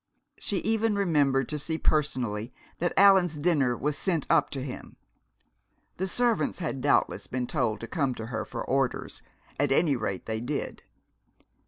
She even remembered to see personally that Allan's dinner was sent up to him. The servants had doubtless been told to come to her for orders at any rate, they did.